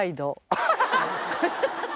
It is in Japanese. アハハハ！